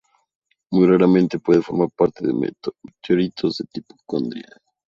Muy raramente puede formar parte de meteoritos de tipo condrita.